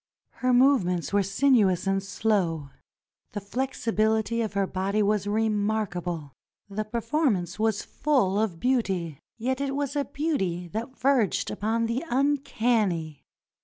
Her movements were sinuous and slow; the flexibility of her body was remarkable. The performance was full of beauty, yet it was a beauty that verged upon the uncanny.